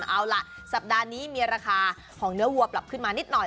เอาล่ะสัปดาห์นี้มีราคาของเนื้อวัวปรับขึ้นมานิดหน่อย